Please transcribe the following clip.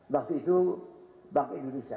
waktu itu bank indonesia